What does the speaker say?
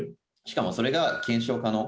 しかもそれが検証可能。